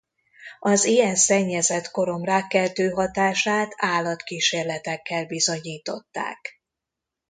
Az ilyen szennyezett korom rákkeltő hatását állatkísérletekkel bizonyították.